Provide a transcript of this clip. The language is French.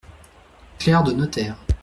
clerc de notaire.